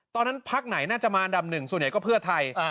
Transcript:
ตอนนั้นภักด์ไหนน่าจะมาอันดำ๑ส่วนใหญ่ก็เพื่อไทย